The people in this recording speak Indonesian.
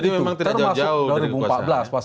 jadi memang tidak jauh jauh dari kekuasaannya